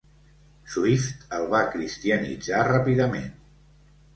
Swift el va cristianitzar ràpidament.